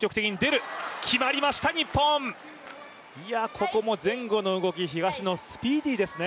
ここも前後の動き東野、スピーディーですね。